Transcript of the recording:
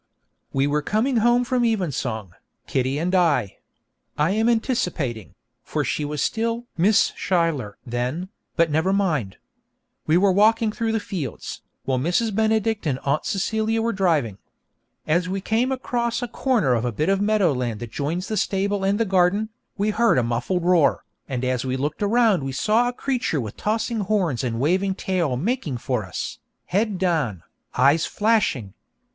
We were coming home from evensong, Kitty and I. (I am anticipating, for she was still 'Miss Schuyler' then, but never mind.) We were walking through the fields, while Mrs. Benedict and Aunt Celia were driving. As we came across a corner of the bit of meadow land that joins the stable and the garden, we heard a muffled roar, and as we looked around we saw a creature with tossing horns and waving tail making for us, head down, eyes flashing.